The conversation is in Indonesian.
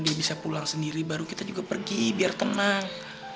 dia bisa pulang sendiri baru kita juga pergi biar tenang